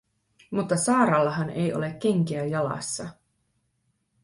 Mutta Saarallahan ei ole kenkiä jalassa.